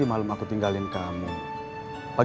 ya kalian juga dengerin alam lam